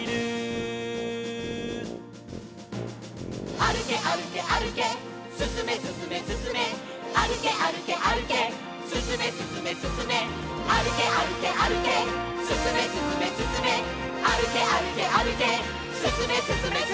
「あるけあるけあるけすすめすすめすすめ」「あるけあるけあるけすすめすすめすすめ」「あるけあるけあるけすすめすすめすすめ」「あるけあるけあるけすすめすすめすすめ」